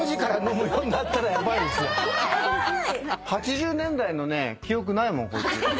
８０年代の記憶ないもんこいつ。